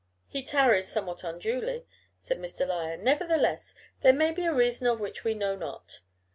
"He tarries somewhat unduly," said Mr. Lyon. "Nevertheless there may be a reason of which we know not.